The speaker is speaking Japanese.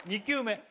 ２球目